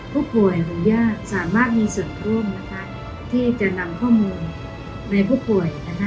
ผู้ป่วยหรือญาติสามารถมีส่วนร่วมนะคะที่จะนำข้อมูลในผู้ป่วยนะคะ